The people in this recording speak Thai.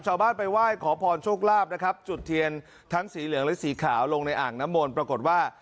ชาวบ้านไปไหว้ขอพรโชคลาภนะครับจุดเทียนทั้งสีเหลืองและสีขาวลงในอ่างน้ำมนต์ปรากฏว่า